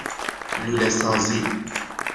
لوله سازی